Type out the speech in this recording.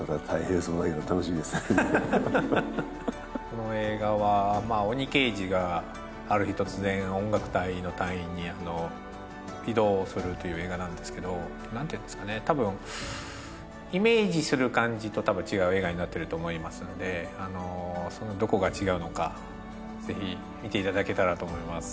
この映画はまあ鬼刑事がある日突然音楽隊の隊員に異動するという映画なんですけど何ていうんですかねたぶんイメージする感じとたぶん違う映画になってると思いますのであのそのどこが違うのかぜひ見ていただけたらと思います